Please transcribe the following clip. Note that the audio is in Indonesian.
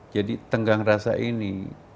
jadi tenggang rasa ini